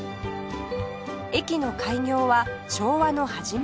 駅の開業は昭和の初め頃